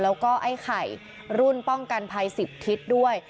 แล้วก็ไอ้ไข่รุ่นป้องกันภัย๑๐ทิศด้วย